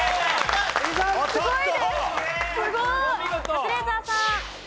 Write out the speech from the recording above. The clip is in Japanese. カズレーザーさん。